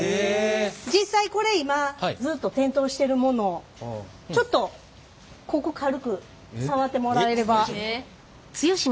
実際これ今ずっと点灯してるものちょっとここ軽く触ってもらえれば。